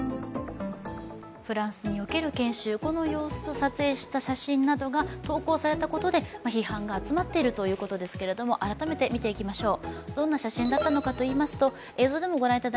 フランスにおける研修、この様子を撮影した写真を投稿されたことで批判が集まっているということですけれども、改めて見ていきましょう。